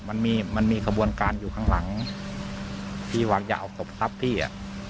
มันมีมันมีขบวนการอยู่ข้างหลังพี่หวังจะเอาศพทรัพย์พี่อ่ะ